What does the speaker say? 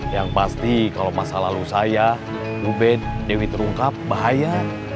yang pasti kalau masa lalu saya ruben dewi terungkap bahaya